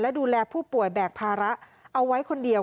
และดูแลผู้ป่วยแบกภาระเอาไว้คนเดียว